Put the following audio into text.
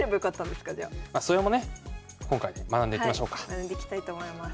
学んでいきたいと思います。